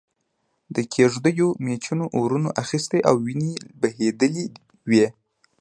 د کېږدیو مېچنو اورونه اخستي او وينې بهېدلې وې.